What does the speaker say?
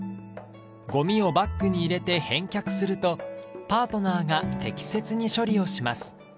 ゴミをバッグに入れて返却するとパートナーが適切に処理をします。